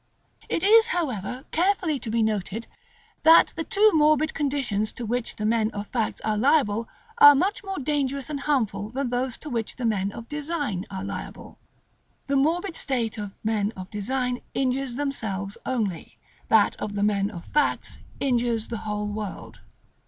§ L. It is, however, carefully to be noted, that the two morbid conditions to which the men of facts are liable are much more dangerous and harmful than those to which the men of design are liable. The morbid state of men of design injures themselves only; that of the men of facts injures the whole world.